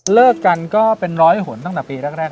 เลิกกันก็เป็นร้อยหนตั้งแต่ปีแรก